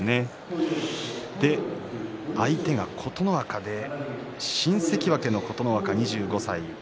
相手が琴ノ若で新関脇の琴ノ若２５歳。